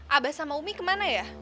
abah sama umi kemana ya